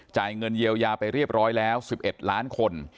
เงินเยียวยาไปเรียบร้อยแล้ว๑๑ล้านคน